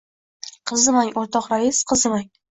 — Qizimang, o‘rtoq rais, qizimang.